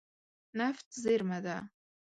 نفت زیرمه ده.